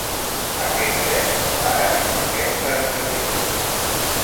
Aquest tren no para en aquesta estació.